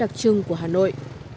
đặc trưng của hà nội